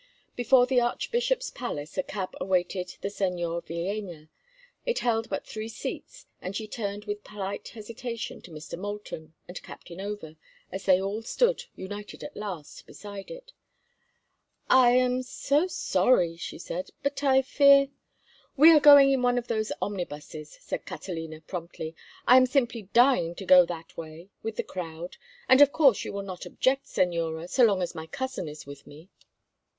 Before the archbishop's palace a cab awaited the Señora Villéna. It held but three seats, and she turned with polite hesitation to Mr. Moulton and Captain Over, as they all stood, united at last, beside it. "I am so sorry," she said, "but I fear—" "We are going in one of those omnibuses," said Catalina, promptly. "I am simply dying to go that way—with the crowd; and of course you will not object, señora, so long as my cousin is with me."